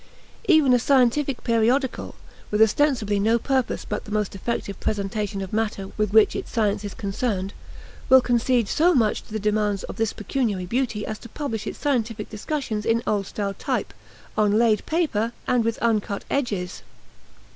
Even a scientific periodical, with ostensibly no purpose but the most effective presentation of matter with which its science is concerned, will concede so much to the demands of this pecuniary beauty as to publish its scientific discussions in oldstyle type, on laid paper, and with uncut edges.